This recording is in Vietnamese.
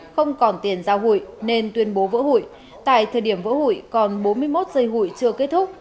không còn tiền giao hủy nên tuyên bố vỡ hủy tại thời điểm vỡ hủy còn bốn mươi một giây hủy chưa kết thúc